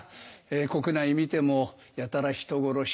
国内見てもやたら人殺し。